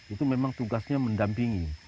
itu memang tugasnya mendampingi